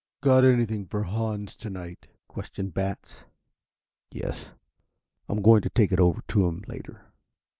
"Got anything for Hans tonight?" questioned Batts. "Yes. I'm going to take it over to him later.